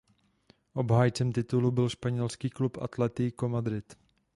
Obhájcem titulu byl španělský klub Atlético Madrid.